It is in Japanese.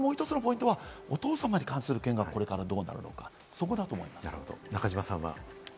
もう１つのポイントは、お父様に関する件がこれからどうなるのか、そこだと思います。